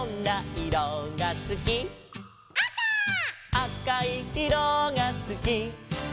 「あかいいろがすき」